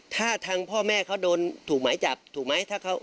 ถ้าทางพ่อแม่เขาโดนถูกหมายจับถูกไหม